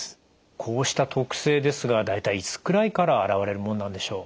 こうした特性ですが大体いつくらいから現れるものなんでしょう？